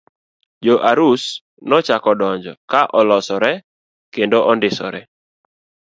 Jo arus nochako donjo ka olosre kendo ondisore.